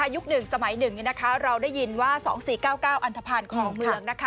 ยุค๑สมัย๑เราได้ยินว่า๒๔๙๙อันทภัณฑ์ของเมือง